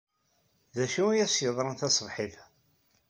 D acu ay as-yeḍran taṣebḥit-a?